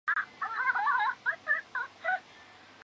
这个作用会增加这些神经递质在突触间隙的浓度。